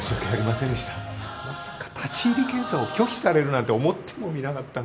まさか立入検査を拒否されるなんて思ってもみなかった。